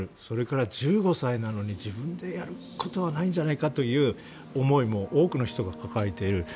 それから、１５歳なのに自分でやることはないんじゃないかという思いも多くの人が抱えている。